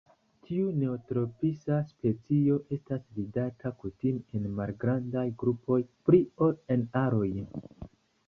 Tiu neotropisa specio estas vidata kutime en malgrandaj grupoj pli ol en aroj.